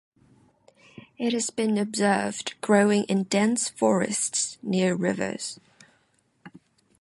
It has been observed growing in dense forests near rivers.